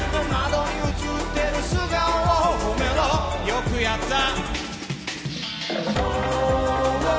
よくやった。